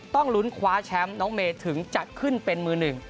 ต้องลุ้นคว้าแชมป์น้องเมย์ถึงจะขึ้นเป็นมือหนึ่ง